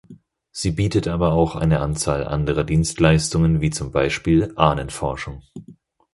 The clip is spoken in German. Sie bietet aber auch eine Anzahl anderer Dienstleistungen wie zum Beispiel Ahnenforschung.